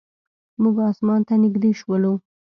موږ اسمان ته نږدې شولو.